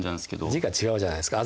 字が違うじゃないですか。